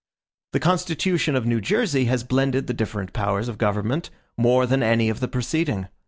The constitution of New Jersey has blended the different powers of government more than any of the preceding.